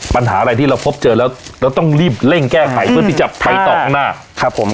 ปัญหาอะไรที่เราพบเจอแล้วเราต้องรีบเร่งแก้ไขเพื่อที่จะไปต่อข้างหน้าครับผม